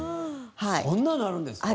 そんなのあるんですか？